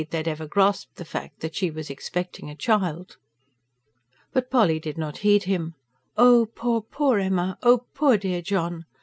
they had ever grasped the fact that she was expecting a child. But Polly did not heed him. "Oh, poor, poor Emma! Oh, poor dear John!"